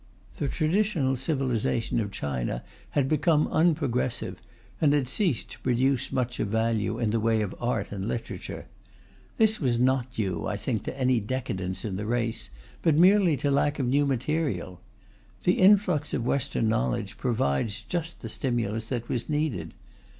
The traditional civilization of China had become unprogressive, and had ceased to produce much of value in the way of art and literature. This was not due, I think, to any decadence in the race, but merely to lack of new material. The influx of Western knowledge provides just the stimulus that was needed.